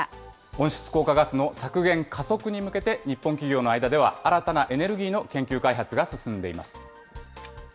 温室効果ガスの削減加速に向けて日本企業の間では、新たなエネルギーの研究開発が進んでいます。